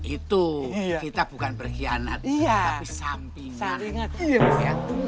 itu kita bukan berkhianat tapi sampingan